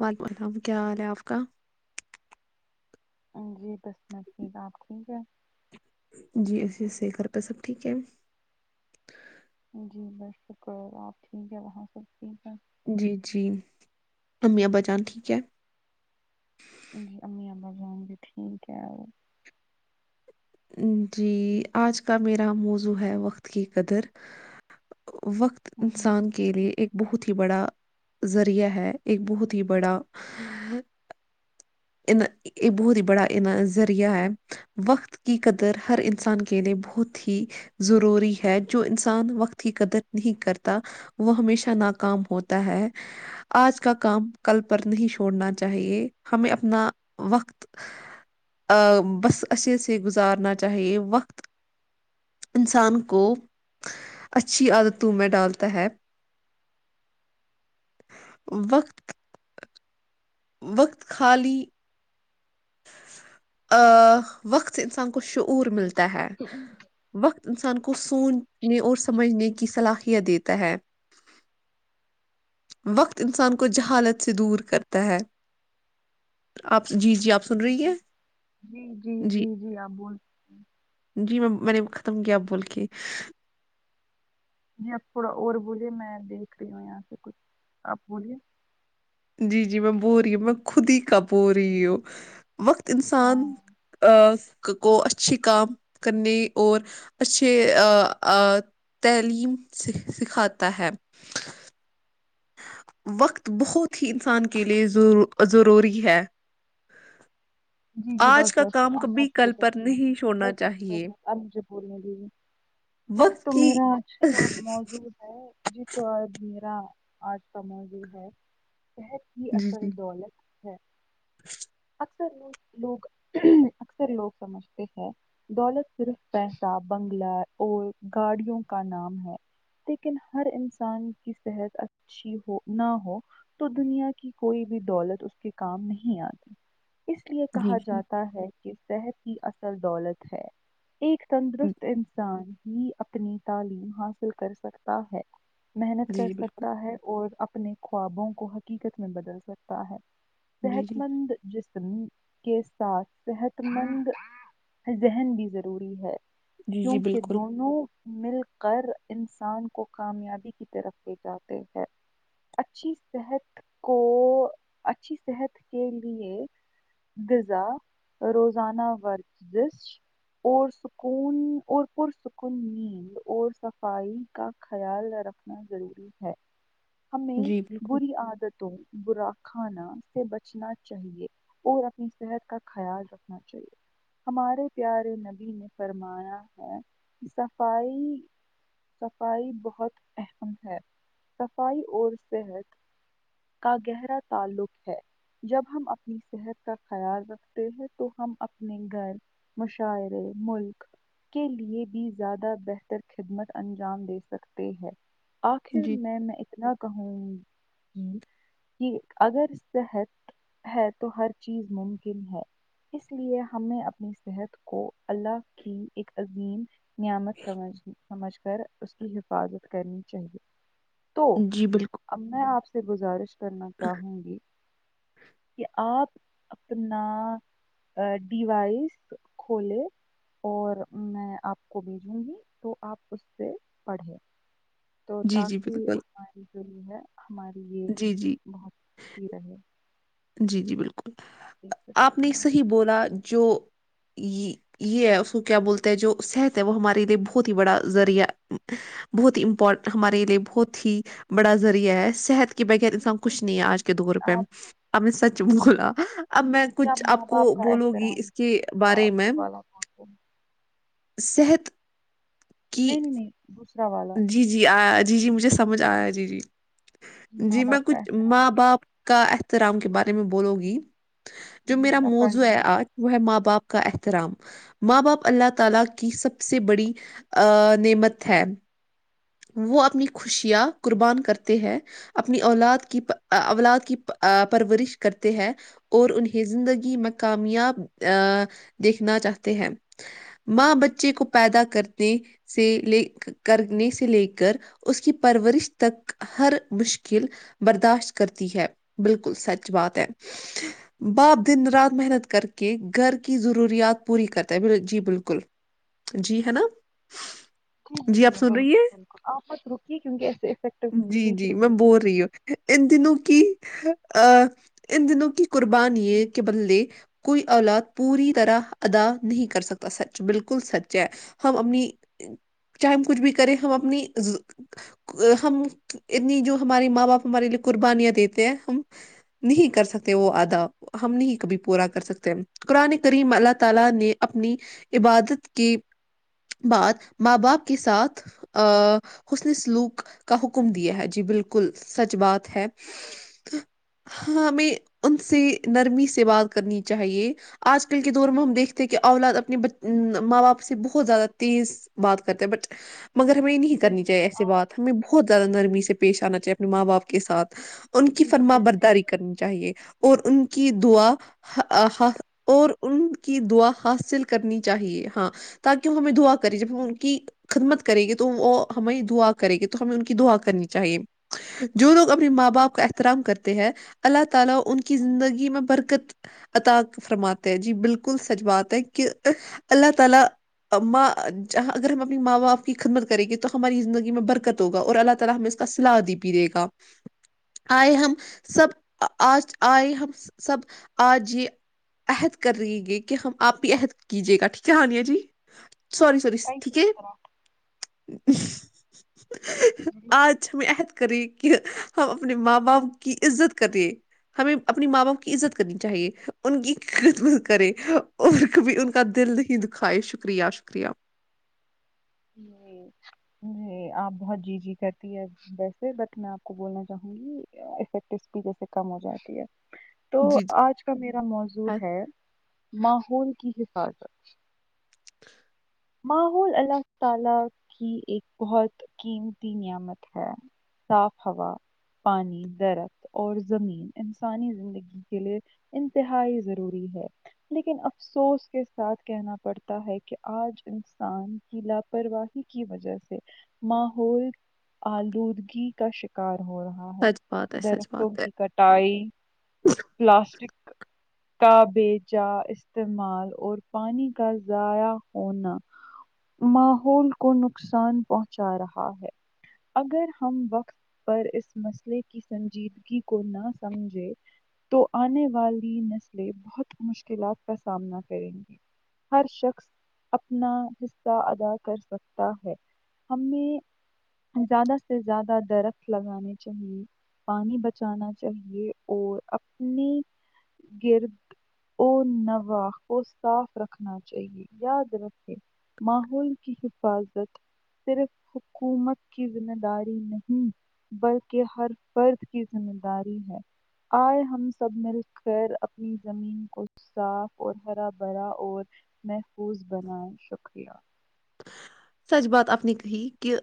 وعلیکم السلام کیا حال ہے آپ کا جی اپ ٹھیک ہے جی ایے سے گھر پہ سب ٹھیک ہے جی بس شکر ہے آپ ٹھیک ہے وہاں سکتی ہے جی جی امی ابا جان ٹھیک ہے جی امی اباازان بھی ٹھیک ہے جی آج کا میرا موضوع ہے وقت کی قدر وقت ہمم انسان کے لیے ایک بہت ہی بڑا ذریعہ ہے ایک بہت ہی بڑا یہ بہت ہی بڑا ذریعہ ہے وقت کی قدر ہر انسان کے لیے بہت ہی ضروری ہے جو انسان وقت کی قدر نہیں کرتا وہ ہمیشہ ناکام ہوتا ہے آج کا کام کل پر نہیں چھوڑنا چاہیے ہمیں اپنا وقت بس اچھے سے گزارنا چاہیے وقت انسان کو اچھی عادتوں میں ڈالتا ہے وقت وقت خالی ا وقت سے انسان کو شعور ملتا ہے وقت انسان کو سوچنے اور سمجھنے کی کی صلاحیت دیتا ہے وقت انسان کو جہالت سے دور کرتا ہے آپ جی جی آپ سن ج رہی ہے جی جی جی جی آپ بول جی میں میں نے ختم کیا بول کے ج آپ تھوڑا اور بولیے میں دیکھ رہی ہوں یہاں سے کچھ آپ بولیے جی جی میں بو رہی ہوں میں خود ہی کا بو رہی ہوں وقت انسان ہاں کو اچھے کام کرنے اور اچھے تعلیم سکھاتا ہے وقت بہت ہی انسان کے لیے ضروری ہے جی جی بس آج ب کا بت کام کبھی کل ہ پر نہیں ب چھوڑنا چاہیے مجھے بولنے جی وقت تو کی میرا آج کا موضو ہے جی تو آ ہاں اج کا موضوع ہے جی [unintelligible] [unintelligible] [inaudible] لوگ اکثر لوگ سمجھتے ہیں دولت صرف پیسہ بنگلہ اور گاڑیوں کا نام ہے لیکن ہر انسان کی صحت اچھی ہو نہ ہو تو دنیا کی کوئی بھی دولت اس کے کام نہیں آتی اس لیے کہا جی جی جی جاتا ہے کہ صحت کی اصل دولت ہے ایک تندرست انسان ہی اپنی تعلیم حاصل کر سکتا ہے محنت کر جی بالکل سکتا ہے اور اپ اپنے خوابوں کو حقیقت میں بدل سکتا ہے جی جی [unintelligible] [unintelligible] کے ساتھ صحت مند ذہن بھی ضروری ہے جی جی کیونکہ بالکل دونوں مل کر انسان کو کامیابی کی طرف لے جاتے ہے اچھی صحت کو اچھی صحت کے لیے غذا روزانہ ورزش اور سکون اور پرسکون نیند اور صفائی کا خیال رکھنا ضروری ہے ہمیں جی بالکل بری عادتوں برا کھانا سے بچنا چاہیے اور اپنی صحت کا خیال رکھنا چاہیے ہمارے پیارے نبی نے فرمایا ہے صفائی صفائی بہت اہم ہے صفائی اور صحت کا گہرا تعلق ہے جب ہم اپنی صحت کا خیال رکھتے ہیں تو ہم اپنے گھر مشاعرے ملک کے لیے بھی زیادہ بہتر خدمت انجام دے سکتے ہیں آخر جی میں میں اتنا کہوں جی اگر صحت ہے تو ہر چیز ممکن ہے اس لیے ہم نے اپنی صحت کو اللہ کی ایک عظیم نعمت سمجھنی سمجھ کر اس کی حفاظت کرنی چاہیے تو جی بالکل اب میں آپ سے گزارش کرنا چاہوں گی کہ آپ اپنا ڈیوائس کھولے اور میں آپ کو بھیجوں گی تو آپ اس سے پڑھیں تو جی جی تاکہ بالکل ہماری ہوئے ہے ہمارے لیے جی جی بہت ہی رہے جی جی بالکل آپ دیکھ آپ سکتی نے صحیح بولا جو یہ ہے اس کو کیا بولتے ہیں جو صحت ہے وہ ہمارے لیے بہت ہی بڑا ذریعہ بہت ہی امپورٹن ہمارے لیے بہت ہی بڑا ذریعہ ہے صحت کہ بغیر ایسام ہیں کچھ نہیں ہے آج کے دور پہ آپ آپ نے سچ بولا اب میں کہ کچھ ماں آپ کو باپ کا بولوں گی احترام اس کے بارے میں باپ والا بول دو، صحت کی نہیں نہیں والا جی جی اج جی جی مجھے سمجھ آیا جی جی جی ماں میں باپ کا کچھ احترام ماں باپ کا احترام کے بارے میں بولو گی جو جی میرا جی آپ موضوع ہے کنٹینیو بول آج وہ ہے ماں باپ کا احترام ماں باپ اللہ تعالی کی سب سے بڑی ا نعمت ہے وہ اپنی خوشیاں قربان کرتے ہیں اپنی اولاد کی اولاد کی پرورش کرتے ہیں اور انہیں زندگی میں کامیاب دیکھنا چاہتے ہیں ماں بچے کو پیدا کرنے سے لے کرنے سے لے کر اس کی پرورش تک ہر مشکل برداشت کرتی ہے بالکل سچ بات ہے باپ دن رات محنت کر کے گھر کی ضروریات پوری کرتا ہے جی بالکل جی ہے نا جی آپ سن رہی [inaudible] آفت رکی کیونکہ ایے افیکٹو ہے جی اسپیچ جی رک میں بول جاتی ہے رہی ہوں ان کی ان دنوں کی قربانی کے بدلے کوئی اولاد پوری طرح ادا نہیں کر سکتا سچ بالکل سچ ہے ہم اپنی چاہے ہم کچھ بھی کریں ہم اپ ہم اتنی جو ہماری ماں باپ ہمارے لیے قربانیاں دیتے ہیں ہم نہیں کر سکتے وہ ادا ہم نہیں کبھی پورا کر سکتے قرآن کریم اللہ تعالی نے اپنی عبادت کے بعد ماں باپ کے ساتھ ا حسن سلوک کا حکم دیا ہے جی بالکل سچ بات ہے ہاں ہمیں ان سے نرمی سے بات کرنی چاہیے آج کل کے دور میں ہم دیکھتے کہ اولاد اپنے ماں باپ سے بہت زیادہ تیز بات کرتے ہیں بٹ مگر ہمیں نہیں کرنی جیسے چاہیے کہ ایسے آپ بات ہمیں بہت زیادہ نرمی سے پیش آنا چاہی اپ ماں باپ کےاتھ ان کی جی جی فرما جیسے کہ برداری کرنی چاہیے اور ان کی دعا اور ان کی دعا حاصل کرنی چاہیے ہاں تاکہ وہ ہمیں دعا کرے جب ہم ان کی خدمت [inaudible] [inaudible] سور سور کئی ٹھیک کس ہے طرح کی جی [inaudible] آج چ میں عت کرے کہ ہم اپنے ماں باپ کی عزت کرے ہمیں اپنے ماں باپ کی عزت کرنی چاہیے ان کی خدمت کرے اور کبھی ان کا دل نہیں دکھائے شکریہ شکریہ ج جی آپ بہت جی جی کرتی ہے ویسے بٹ میں آپ کو بولنا چاہوں گی افیکٹ اسپیک سے کم ہو جاتی ہے تو جی جی آج کا میرا موضوع ہے ماہ ہو کی حفاظت ماحول اللہ تعالی کی ایک بہت قیمتی نعمت ہے صاف ہوا پانی درخت اور زمین انسانی زندگی کے لیے انتہائی ضروری ہے لیکن افسوس کے ساتھ کہنا پڑتا ہے کہ آج انسان کی لاپرواہی کی وجہ سے ماحول آلودگی کا شکار ہو رہا ہے سچ بات ہے سچ درختوں بات ہے کی کٹائی پلاسٹک تبےچا استعمال اور پانی کا ضائع ہونا ماحول کو نقصان پہنچا رہا ہے اگر ہم وقت پر اس مسئلے کی سنجیدگی کو نہ سمجھے تو آنے والی نسلیں بہت مشکلات کا سامنا کریں گی ہر شخص اپنا حصہ ادا کر سکتا ہے ہمیں زیادہ سے زیادہ درخت لگانے چاہیے پانی بچانا چاہیے اور اپنی گرد اور نواح کو صاف رکھنا چاہیے یا درخت ماحول کی حفاظت صرف حکومت کی ذمہ داری نہیں بلکہ ہر فرد کی ذمہ داری ہے آئے ہم سب مل کر اپنی زمین کو صاف اور ہرا بھرا اور پوز بنائے شکریہ سچ بات آپ نے کہی کہ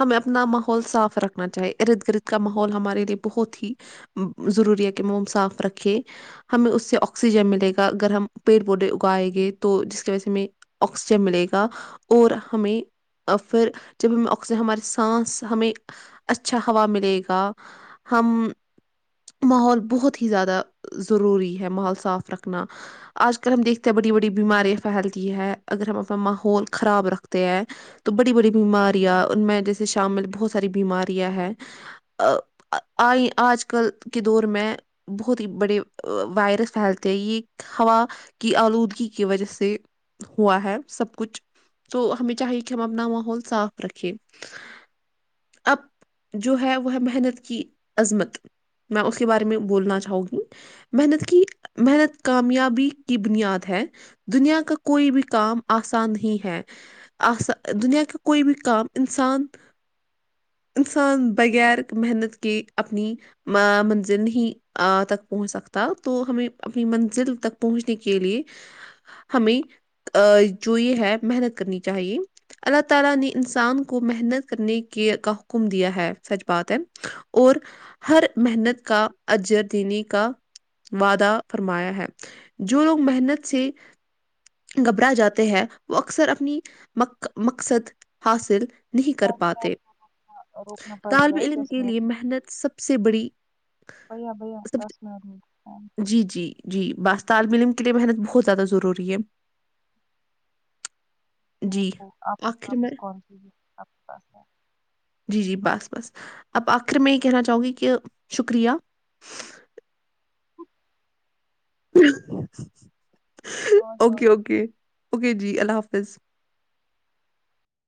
ہمیں اپنا ماحول صاف رکھنا چاہیے ارد گرد کا ماحول ہمارے لیے بہت ہی ضروری ہے کہ ہم صاف رکھے ہمیں اس سے آکسیجن ملے گا اگر ہم پیڑ پودے اگائےیں گے تو جس کی وجہ سے ہمیں آکسیجن ملے گا اور ہمیں پھر جب ہمیں آکسیجن ہماری سانس ہمیں اچھا ہوا ملے گا ہم ماحول بہت ہی زیادہ ضروری ہے ماحول صاف رکھنا آج کل ہم دیکھتے ہیں بڑی بڑی بیماریاں پھیلتی ہے اگر ہم اپنا ماحول خراب رکھ تو بڑی بڑی بیماریاں ان میں جیسے شام میں بہت ساری بیماریاں ہے آج کل کے دور میں بہت ہی بڑے وائرس پھیلتے ہیں یہ ہوا کی آلودگی کی وجہ سے ہوا ہے سب کچھ تو ہمیں چاہیے کہ ہم اپنا ماحول صاف رکھے اب جو ہے وہ ہے محنت کی عظمت میں اس کے بارے میں بولنا چاہوں گی محنت کی محنت کامیابی کی بنیاد ہے دنیا کا کوئی بھی کام آسان نہیں ہے دنیا کا کوئی بھی کام انسان انسان بغیر محنت کے اپنی منزل نہیں تک پہنچ سکتا تو ہمیں اپنی منزل تک پہنچنے کے لیے ہمیں جو یہ ہے محنت [inaudible] اپنی م مقصد حاصل نہیں کر سوری میں پاتے اپنا روکنا پڑ طالب رہا ہے، علم دس کے منٹ لیے ہو چکے محنت سب سے بڑی ہیں۔ بھیا بھیا، سب دس منٹ ہو چکے ہیں، جی جی جی بات تالمی علم کے لیے محنت بہت زیادہ ضروری ہے جی آپ کو آپس آخر میں واپس کال کیجیے آپ کے پاس ہے۔ جی جی بس بس اب آخر میں یہ کہنا چاہوں گی کہ شکریہ ہاں [inaudible] جو اوکے اوکے اوکے جی اللہ حافظ